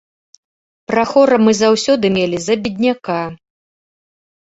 Прахора мы заўсёды мелі за бедняка.